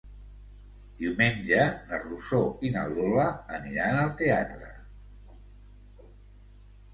Diumenge na Rosó i na Lola aniran al teatre.